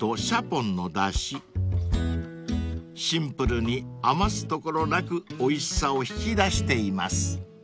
［シンプルに余すところなくおいしさを引き出しています］